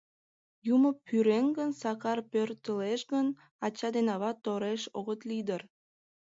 Юмо пӱрен гын, Сакар пӧртылеш гын, ачат ден ават тореш огыт лий дыр.